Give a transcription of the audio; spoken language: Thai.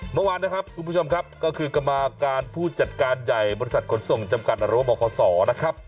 เมื่อวานนะครับคุณผู้ชมครับก็คือกรรมการผู้จัดการใหญ่บริษัทขนส่งจำกัดหรือว่าบคศนะครับ